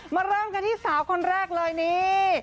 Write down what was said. เริ่มกันที่สาวคนแรกเลยนี่